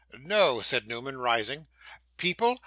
'No,' said Newman, rising. 'People?